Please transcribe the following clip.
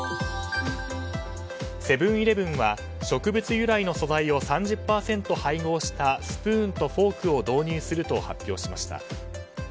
セブン‐イレブンは植物由来の素材を３０％配合したスプーンとフォークを導入すると発表しました。